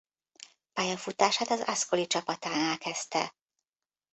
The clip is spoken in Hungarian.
Pályafutását az Ascoli csapatánál kezdte.